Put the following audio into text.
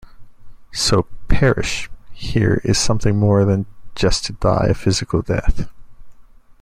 So "perish" here is something more than just to die a physical death.